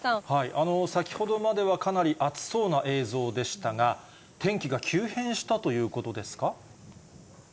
先ほどまではかなり暑そうな映像でしたが、天気が急変したということですか？